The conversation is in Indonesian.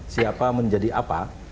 siapa menjadi apa